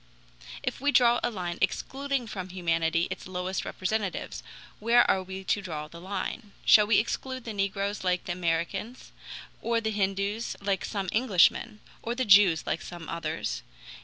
If we draw a line excluding from humanity its lowest representatives, where are we to draw the line? Shall we exclude the negroes like the Americans, or the Hindoos like some Englishmen, or the Jews like some others?